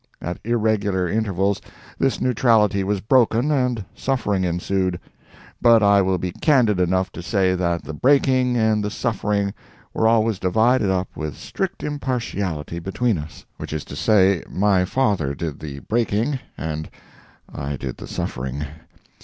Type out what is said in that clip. At irregular intervals this neutrality was broken, and suffering ensued; but I will be candid enough to say that the breaking and the suffering were always divided up with strict impartiality between us—which is to say, my father did the breaking, and I did the suffering.